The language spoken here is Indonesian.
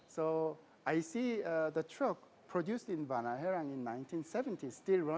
saya melihat kendaraan yang dibuat di vanaheerang pada tahun seribu sembilan ratus tujuh puluh